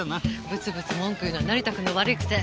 ブツブツ文句言うのは成田君の悪い癖。